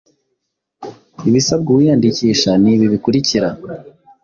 Ibisabwa uwiyandikisha nibi bikurikira